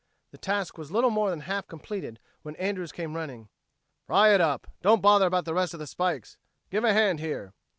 The task was little more than half completed when Andrews came running. "Pry it up don't bother about the rest of the spikes. Give a hand, here."